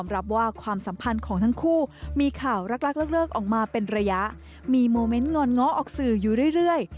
รักมาเป็นระยะมีโมเมนต์งอนง้อออกสื่ออยู่เรื่อย